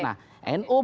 nah nu berdiri